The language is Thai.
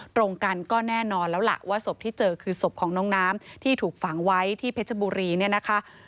ตรงกันก็แน่นอนแล้วล่ะว่าศพที่เจอคือศพของน้องน้ำที่ถูกฝังไว้ที่เพชรบุรีเนี่ยนะคะ